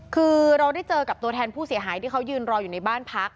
คือเราได้เจอกับตัวแทนผู้เสียหายที่เขายืนรออยู่ในบ้านพัก